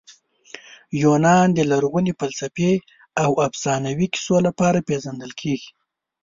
یونان د لرغوني فلسفې او افسانوي کیسو لپاره پېژندل کیږي.